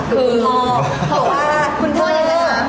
คือพ่อบอกว่า